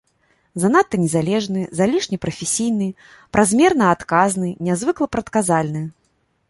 Занадта незалежны, залішне прафесійны, празмерна адказны, нязвыкла прадказальны.